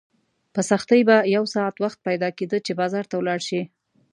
په سختۍ به یو ساعت وخت پیدا کېده چې بازار ته ولاړ شې.